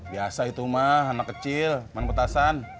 biasa itu mah anak kecil main petasan